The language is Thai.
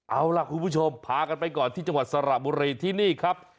เอาล่ะคุณผู้ชมพากันไปก่อนที่จังหวัดสระบุรีที่นี่ครับ